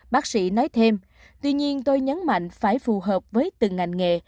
bác sĩ nói thêm tuy nhiên tôi nhấn mạnh phải phù hợp với từng ngành nghề